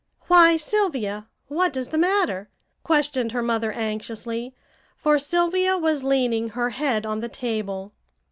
"Why, Sylvia! What is the matter?" questioned her mother anxiously; for Sylvia was leaning her head on the table.